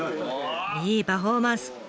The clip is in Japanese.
いいパフォーマンス！